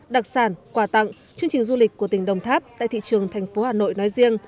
đặc sản quà tặng chương trình du lịch của tỉnh đồng tháp tại thị trường thành phố hà nội nói riêng